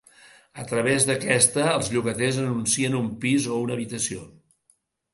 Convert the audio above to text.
A través d’aquesta, els llogaters anuncien un pis o una habitació.